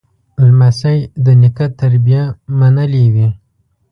لمسی د نیکه تربیه منلې وي.